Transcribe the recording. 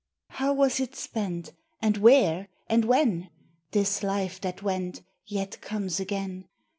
How was it spent? and where? and when? This life that went, yet comes again